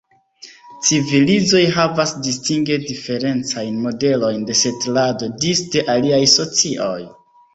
Civilizoj havas distinge diferencajn modelojn de setlado disde aliaj socioj.